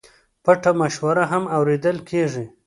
پټه مشوره هم اورېدل کېږي.